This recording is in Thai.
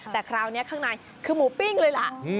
แต่คราวนี้ข้างในคือหมูปิ้งเลยล่ะ